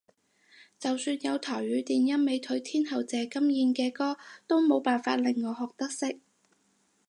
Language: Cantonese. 就算有台語電音美腿天后謝金燕嘅歌都冇辦法令我學得識